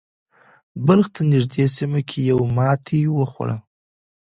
بلخ ته نږدې سیمه کې یې ماتې وخوړه.